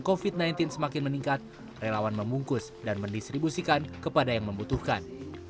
covid sembilan belas semakin meningkat relawan membungkus dan mendistribusikan kepada yang membutuhkan